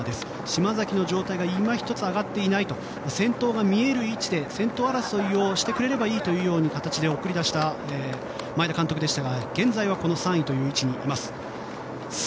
島崎の状態が今一つ上がっていないと先頭が見える位置で先頭争いをしてくれればいいという形で送り出した前田監督でしたが現在は３位という位置にいます。